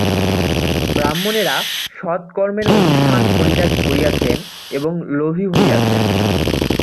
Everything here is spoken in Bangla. ব্রাহ্মণেরা সৎকর্মের অনুষ্ঠান পরিত্যাগ করিয়াছেন এবং লোভী হইয়াছেন।